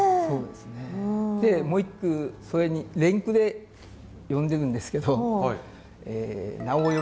でもう１句それに連句で詠んでるんですけど。